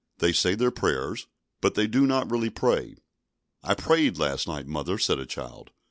They say their prayers, but they do not really pray. "I prayed last night, mother," said a child.